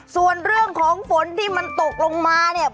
ส่วนเรื่องของฝนที่มันตกลงมาเนี่ย